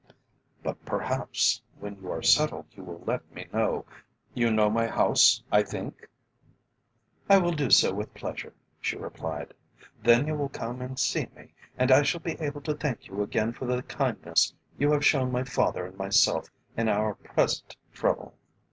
"But perhaps when you are settled you will let me know. You know my house, I think?" "I will do so with pleasure," she replied. "Then you will come and see me, and I shall be able to thank you again for the kindness you have shown my father and myself in our present trouble."